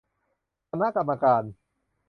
คณะกรรมการ